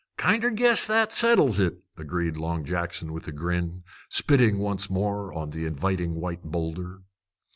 "Kinder guess that settles it," agreed Long Jackson with a grin, spitting once more on the inviting white boulder.